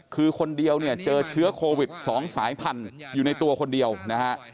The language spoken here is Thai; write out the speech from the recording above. คือคนเดียวเนี่ยเจอเชื้อโควิด๒สายพันธุ์อยู่ในตัวคนเดียวนะฮะ